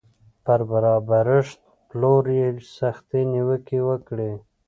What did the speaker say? پر برابرښت پلور یې سختې نیوکې وکړې